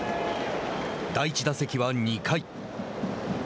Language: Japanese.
第１打席は２回。